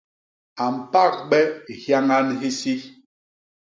A mpagbe hyañan hisi.